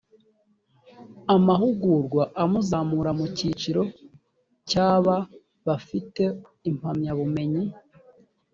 amahugurwa amuzamura mu cyiciro cyaba bafite impamyabumenyi